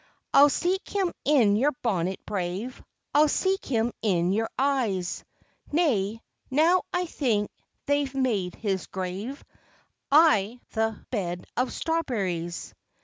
I'll seek him in your bonnet brave; I'll seek him in your eyes; Nay, now I think they've made his grave I' th' bed of strawberries.